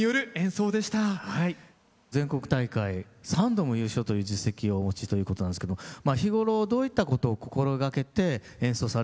全国大会３度も優勝という実績をお持ちということなんですけど日頃どういったことを心掛けて演奏されてるんでしょうか？